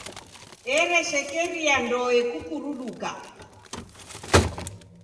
Ereshekeria ndoe kukuruduka.